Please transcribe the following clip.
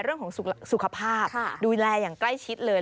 เรื่องของสุขภาพดูแลอย่างใกล้ชิดเลย